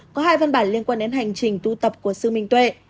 có hai văn bản liên quan đến hành trình tu tập của sư minh tuệ